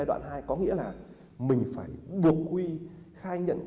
kế hoạch giai đoạn hai có nghĩa là mình phải buộc huy khai nhận